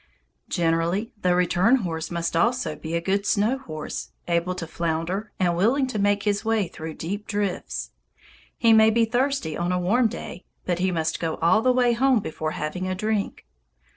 Generally the return horse must also be a good snow horse, able to flounder and willing to make his way through deep drifts. He may be thirsty on a warm day, but he must go all the way home before having a drink.